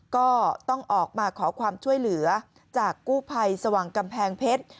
ก็ต้องออกมาขอความช่วยเหลือจากกู้ภัยสว่างกำแพงเพชร